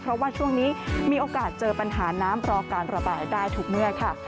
เพราะว่าช่วงนี้มีโอกาสเจอปัญหาน้ำรอการระบายได้ทุกเมื่อค่ะ